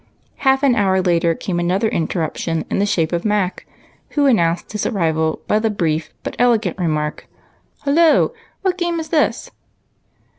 Half an hour later came another interruption in the shape of Mac, who announced his arrival by the brief but elegant remark, —" Hullo ! what new game is this